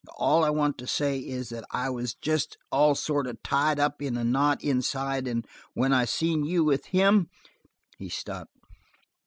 All I want to say is that I was jest all sort of tied up in a knot inside and when I seen you with him " He stopped.